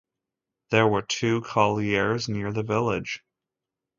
There were two collieries near the village.